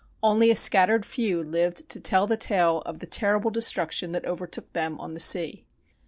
Only a scattered few lived to tell the tale of the terrible destruction that overtook them on the sea.